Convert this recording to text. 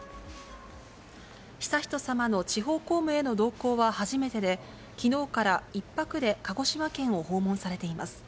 悠仁さまの地方公務への同行は初めてで、きのうから１泊で鹿児島県を訪問されています。